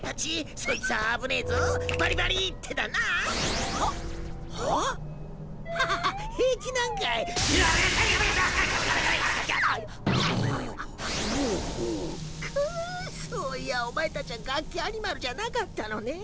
そういやお前たちはガッキアニマルじゃなかったのねえ。